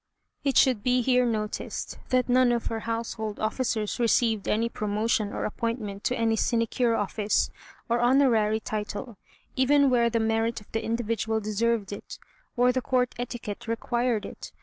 It should be here noticed that none of her household officers received any promotion or appointment to any sinecure office, or honorary title, even where the merit of the individual deserved it, or the Court etiquette required it.